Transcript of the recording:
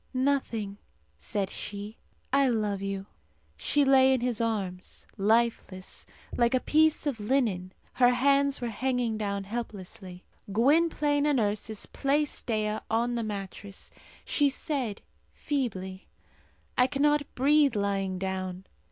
"Nothing," said she "I love you!" She lay in his arms, lifeless, like a piece of linen; her hands were hanging down helplessly. Gwynplaine and Ursus placed Dea on the mattress. She said, feebly, "I cannot breathe lying down."